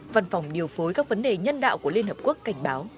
văn phòng điều phối các vấn đề nhân đạo của liên hợp quốc cảnh báo